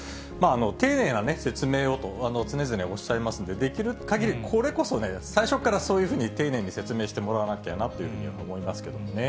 丁寧な説明をと、常々おっしゃいますんで、できるかぎり、これこそね、最初からそういうふうに丁寧に説明してもらわなきゃなって思いますけどもね。